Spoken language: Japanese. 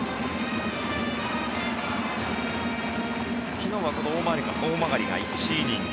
昨日は、この大曲が１イニング